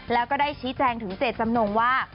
แล้วก็ได้ชี้แจงถึงเจตจำนงว่า